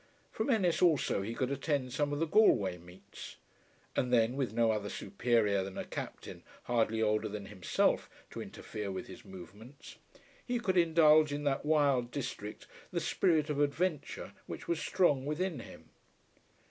From Ennis also he could attend some of the Galway meets, and then with no other superior than a captain hardly older than himself to interfere with his movements, he could indulge in that wild district the spirit of adventure which was strong within him.